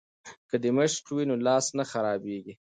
که مشق وي نو لاس نه خرابیږي.